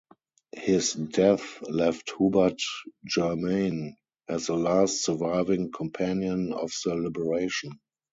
His death left Hubert Germain as the last surviving Companion of the Liberation.